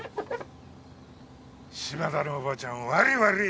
島田のおばちゃん悪ぃ悪ぃ。